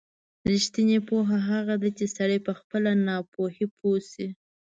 رښتینې پوهه هغه ده چې سړی په خپله ناپوهۍ پوه شي.